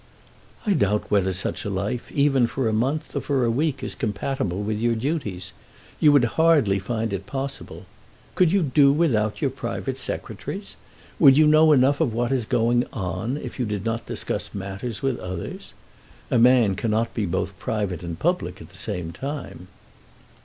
"I doubt whether such a life, even for a month, even for a week, is compatible with your duties. You would hardly find it possible. Could you do without your private secretaries? Would you know enough of what is going on, if you did not discuss matters with others? A man cannot be both private and public at the same time."